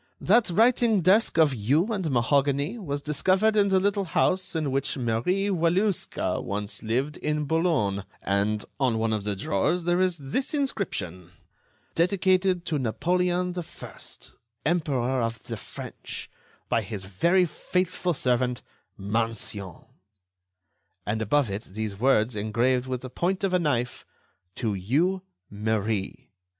That writing desk of yew and mahogany was discovered in the little house in which Marie Walêwska once lived in Boulogne, and, on one of the drawers there is this inscription: 'Dedicated to Napoleon I, Emperor of the French, by his very faithful servant, Mancion.' And above it, these words, engraved with the point of a knife: 'To you, Marie.